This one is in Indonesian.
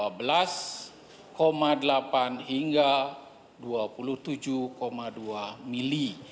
yang berasal dari kira kira dua puluh tujuh dua mili